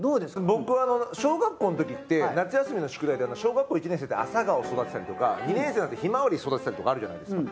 僕小学校のときって夏休みの宿題で小学校１年生ってアサガオ育てたりとか２年生になってひまわり育てたりとかあるじゃないですか